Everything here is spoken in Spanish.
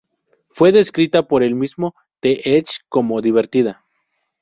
Fue descrita por el mismo The Edge como "divertida".